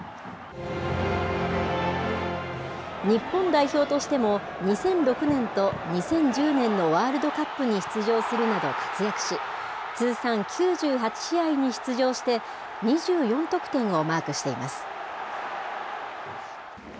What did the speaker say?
日本代表としても、２００６年と２０１０年のワールドカップに出場するなど、活躍し、通算９８試合に出場して、２４得点をマークしています。